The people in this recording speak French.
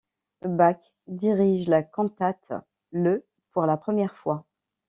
Bach dirige la cantate le pour la première fois.